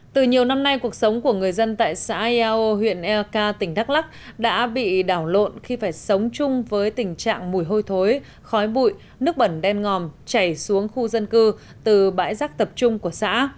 từ nhiều năm nay cuộc sống của người dân tại xã eao huyện eak tỉnh đắk lắc đã bị đảo lộn khi phải sống chung với tình trạng mùi hôi thối khói bụi nước bẩn đen ngòm chảy xuống khu dân cư từ bãi rác tập trung của xã